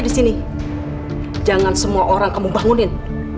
disini jangan semua orang kamu bangunin